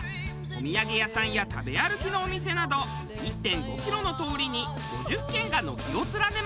お土産屋さんや食べ歩きのお店など１．５キロの通りに５０軒が軒を連ねます。